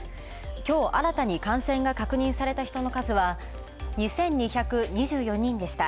今日新たに感染が確認された人の数は、２２２４人でした。